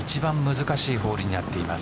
難しいホールになっています。